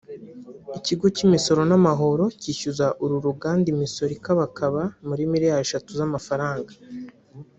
Ikigo cy’imisoro n’amahoro cyishyuza uru ruganda imisoro ikabakaba muri miliyari esheshatu z’amafaranga